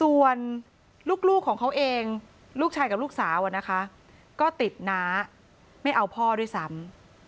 ส่วนลูกของเขาเองลูกชายกับลูกสาวนะคะก็ติดน้าไม่เอาพ่อด้วยซ้ำ